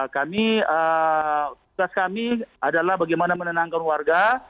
kami tugas kami adalah bagaimana menenangkan warga